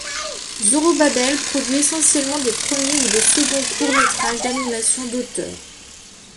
Zorobabel produit essentiellement des premiers ou des seconds courts métrages d'animation d'auteur.